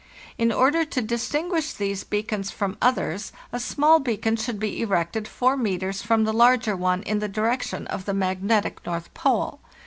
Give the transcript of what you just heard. In order to distinguish these beacons from others, a small beacon should be erected 4 metres from the larger one in the direction of the magnetic North Pole.